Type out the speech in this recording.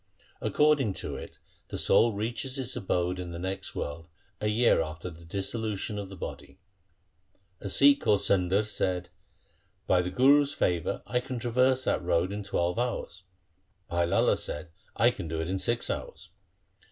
According to it the soul reaches its abode in the next world a year after the dissolu tion of the body. A Sikh called Sundar said, ' By the Guru's favour I can traverse that road in twelve hours.' Bhai Lala said, ' I can do it in six hours.'